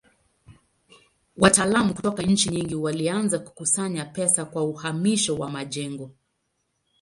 Wataalamu kutoka nchi nyingi walianza kukusanya pesa kwa uhamisho wa majengo.